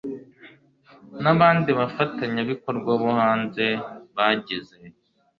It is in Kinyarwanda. n'abandi bafatanyabikorwa bo hanze bagize